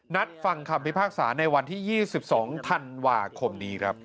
นัดฟังคำพิพากษาในวันที่๒๒ธันวาคมนี้ครับ